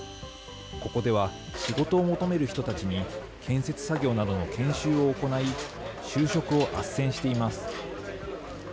ここでは仕事を求める人たちに、建設作業などの研修を行い、就職をあっせんしています。